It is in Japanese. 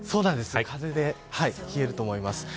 風で冷えると思います。